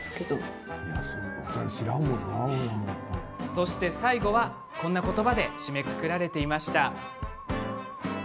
そして最後は、こんな言葉で締めくくられていました。